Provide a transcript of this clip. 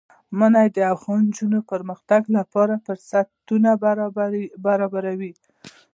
منی د افغان نجونو د پرمختګ لپاره فرصتونه برابروي.